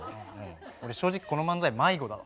俺正直この漫才迷子だわ。